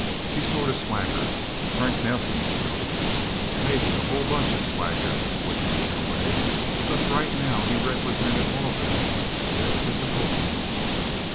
He sort of swaggered, Frank Nelsen noticed. Maybe the whole Bunch swaggered with him in a way, because, right now, he represented all of them in their difficult aim.